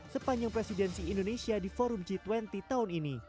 sepanjang presidensi indonesia di forum g dua puluh tahun ini